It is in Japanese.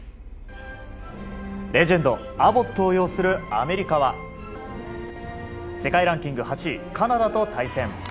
レジェンド、アボットを要するアメリカは世界ランキング８位カナダと対戦。